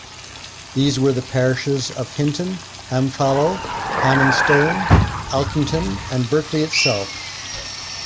These were the parishes of Hinton, Hamfallow, Ham and Stone, Alkington, and Berkeley itself.